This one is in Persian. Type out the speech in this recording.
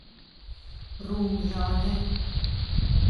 رومیانه